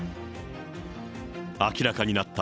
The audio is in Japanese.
明らかになった